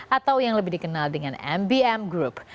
atau yang lebih dikenal dengan mbm group